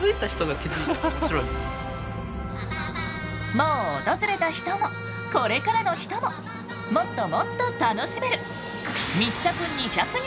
もう訪れた人もこれからの人ももっともっと楽しめる。